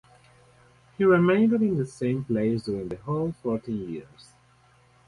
He remained in the same place during the whole fourteen years.